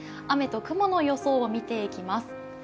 雨と雲の予想を見ていきます。